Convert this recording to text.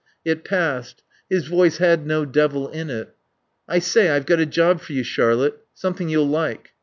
It passed. His voice had no devil in it. "I say, I've got a job for you, Charlotte. Something you'll like."